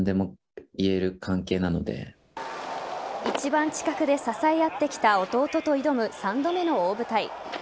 一番近くで支え合ってきた弟と挑む３度目の大舞台。